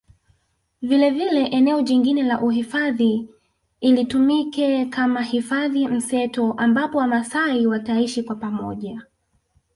Vilevile eneo jingine la uhifadhi llitumike kama Hifadhi mseto ambapo wamaasai wataishi kwa pamoja